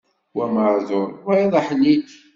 Wa maεduṛ, wayeḍ aḥlil.